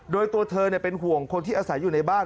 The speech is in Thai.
โดยตัวเธอเป็นห่วงคนที่อาศัยอยู่ในบ้าน